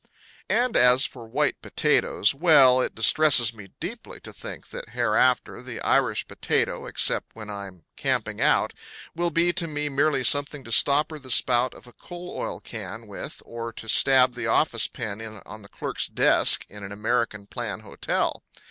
And as for white potatoes well, it distresses me deeply to think that hereafter the Irish potato, except when I'm camping out, will be to me merely something to stopper the spout of a coal oil can with, or to stab the office pen in on the clerk's desk in an American plan hotel.